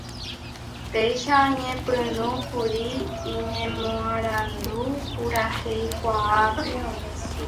Péicha oñepyrũkuri iñemoarandu puraheikuaápe.